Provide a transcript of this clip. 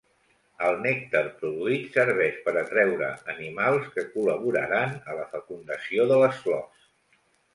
El nèctar produït serveix per atreure animals que col·laboraran a la fecundació de les flors.